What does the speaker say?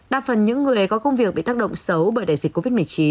đa phần những người có công việc bị tác động xấu bởi đại dịch covid một mươi chín